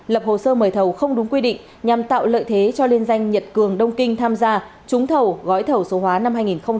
lập hồ sơ mời thầu không đúng quy định nhằm tạo lợi thế cho liên danh nhật cường đông kinh tham gia trúng thầu gói thầu số hóa năm hai nghìn hai mươi